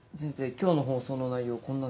今日の放送の内容こんなんで。